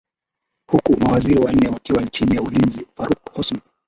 huku mawaziri wanne wakiwa chini ya ulinzi faruk hosni